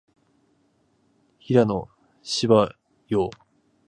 平野紫耀